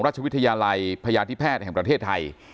ราชวิทยาลัยพยาธิแพทย์แห่งประเทศไทย